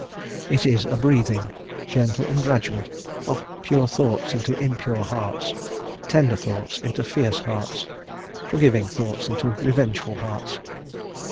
It is a breathing gentle and gradual of pure thoughts into impure hearts, tender thoughts into fierce hearts, forgiving thoughts into revengeful hearts.